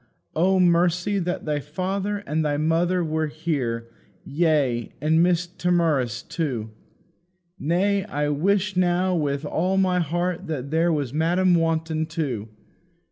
O Mercy, that thy father and thy mother were here; yea, and Mrs. Timorous too! Nay, I wish now with all my heart that here was Madam Wanton too.